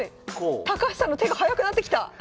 高橋さんの手が速くなってきた！